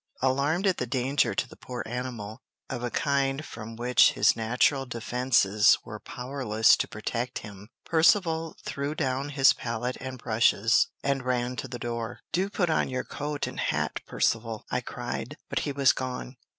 Alarmed at the danger to the poor animal, of a kind from which his natural defences were powerless to protect him, Percivale threw down his palette and brushes, and ran to the door. "Do put on your coat and hat, Percivale!" I cried; but he was gone.